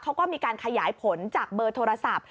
เขาก็มีการขยายผลจากเบอร์โทรศัพท์